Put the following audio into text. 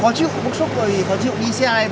khó chịu bức xúc rồi khó chịu đi xe này